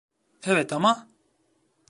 Evet ama...